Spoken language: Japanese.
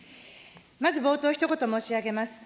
まず冒頭、ひと言申し上げます。